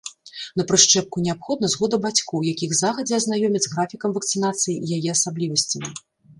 На прышчэпку неабходна згода бацькоў, якіх загадзя азнаёмяць з графікам вакцынацыі і яе асаблівасцямі.